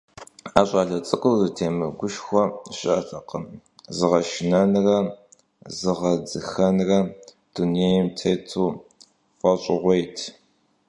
А щӀалэ цӀыкӀур зытемыгушхуэ щыӀэтэкъым, зыгъэшынэнрэ зыгъэдзыхэнрэ дунейм тету фӀэщщӀыгъуейт.